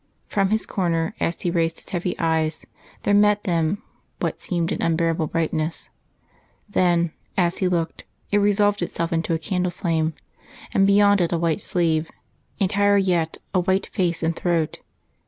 From his corner, as he raised his heavy eyes, there met them what seemed an unbearable brightness; then, as he looked, it resolved itself into a candle flame, and beyond it a white sleeve, and higher yet a white face and throat.